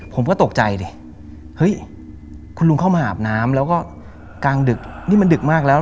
ผมก็ตกใจเลยเฮ้ยคุณลุงเข้ามาอาบน้ำแล้วก็กลางดึก